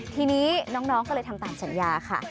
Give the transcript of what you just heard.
ทีนี้น้องก็เลยทำตามสัญญาค่ะ